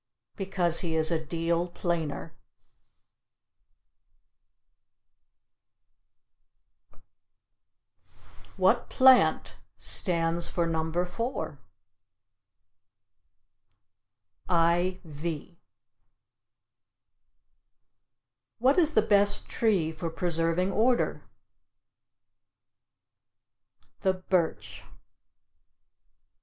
Because he is a deal plainer. What plant stands for No. 4? IV. What is the best tree for preserving order? The birch.